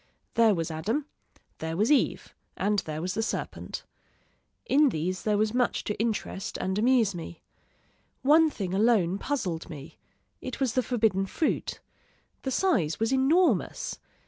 There was Adam there was Eve and there was the serpent. In these there was much to interest and amuse me. One thing alone puzzled me; it was the forbidden fruit. The size was enormous.